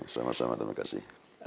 sama sama terima kasih